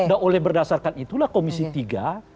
nah oleh berdasarkan itulah komisi tiga